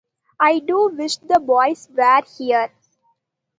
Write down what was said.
I do wish the boys were here.